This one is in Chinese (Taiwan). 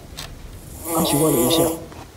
剛詢問了一下